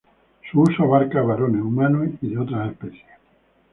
Su uso abarca a varones humanos y de otras especies.